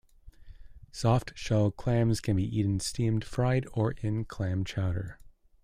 Soft-shell clams can be eaten steamed, fried, or in clam chowder.